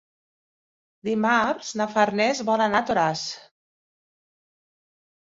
Dimarts na Farners vol anar a Toràs.